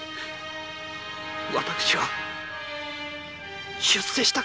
私は出世したかった。